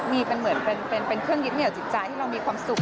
มีเป็นเครื่องกินเหนียวจิตใจที่เรามีความสุข